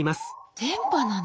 電波なの？